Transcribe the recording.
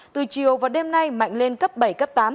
từ chiều và đêm nay mạnh lên cấp bảy cấp tám